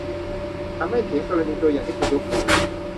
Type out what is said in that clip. ฉันไม่เถียงกรณีตัวอย่างที่คุณยกมา